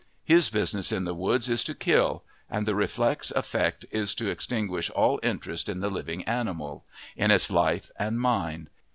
His business in the woods is to kill, and the reflex effect is to extinguish all interest in the living animal in its life and mind.